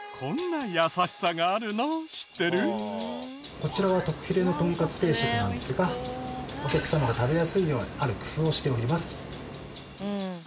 こちらは特ヒレの豚かつ定食なんですがお客様が食べやすいようにある工夫をしております。